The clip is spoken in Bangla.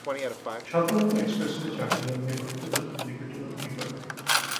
সাধারণত এক্সপ্রেসওয়ে চারটি লেন নিয়ে গঠিত, প্রতিটি দিকের জন্য দুটি করে।